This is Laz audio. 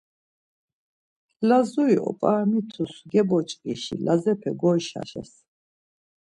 Lazuri op̌ramitus geboç̌ǩişi Lazepe goyşaşes.